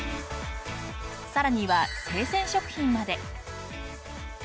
さらには生鮮食品まで。